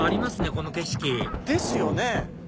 この景色ですよね！